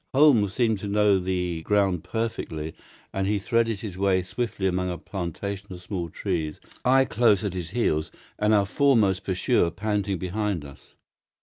Holmes seemed to know the ground perfectly, and he threaded his way swiftly among a plantation of small trees, I close at his heels, and our foremost pursuer panting behind us.